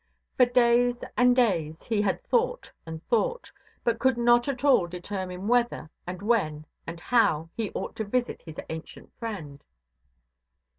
For days and days he had thought and thought, but could not at all determine whether, and when, and how, he ought to visit his ancient friend.